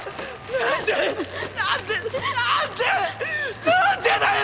何でだよ！？？